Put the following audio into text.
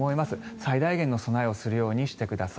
最大限の備えをするようにしてください。